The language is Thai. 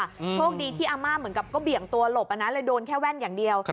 โชคดีที่อาม่าเหมือนกับก็เบี่ยงตัวหลบอ่ะนะเลยโดนแค่แว่นอย่างเดียว